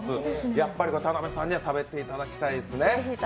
やっぱり田辺さんには食べていただきたいですね。